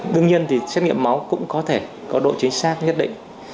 đương nhiên thì xét nghiệm máu cũng có thể có độ chính xác nhất định